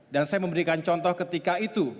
dan saya memberikan contoh ketika itu